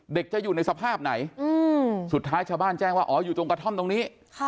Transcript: จะอยู่ในสภาพไหนสุดท้ายชาวบ้านแจ้งว่าอ๋ออยู่ตรงกระท่อมตรงนี้